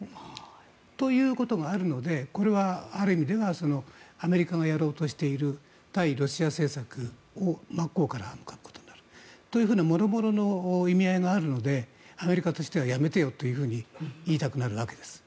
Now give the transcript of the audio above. ということがあるのでこれはある意味ではアメリカがやろうとしている対ロシア政策に真っ向から刃向かうことになるというもろもろの意味合いがあるのでアメリカとしてはやめてよというふうに言いたくなるわけです。